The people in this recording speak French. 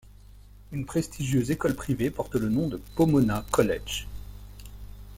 Une prestigieuse école privée porte le nom de Pomona College.